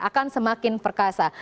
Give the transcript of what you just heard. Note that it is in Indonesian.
akan semakin perkasa